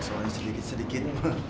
soalnya sedikit sedikit